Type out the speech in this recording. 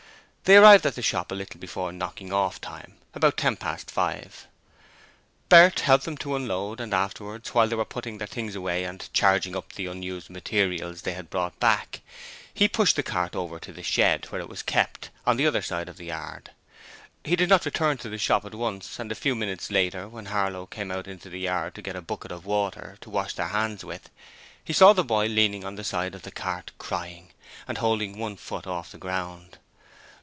They arrived at the shop a little before knocking off time about ten minutes past five. Bert helped them to unload, and afterwards, while they were putting their things away and 'charging up' the unused materials they had brought back, he pushed the cart over to the shed where it was kept, on the other side of the yard. He did not return to the shop at once and a few minutes later when Harlow came out into the yard to get a bucket of water to wash their hands with, he saw the boy leaning on the side of the cart, crying, and holding one foot off the ground.